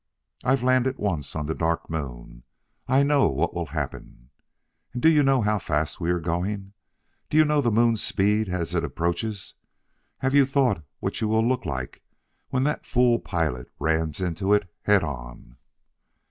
"I've landed once on the Dark Moon; I know what will happen. And do you know how fast we are going? Do you know the Moon's speed as it approaches? Had you thought what you will look like when that fool pilot rams into it head on?